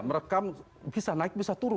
merekam bisa naik bisa turun